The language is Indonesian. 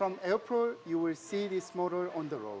dan lebih kurang terlalu terlalu terlalu terlalu terlalu terlalu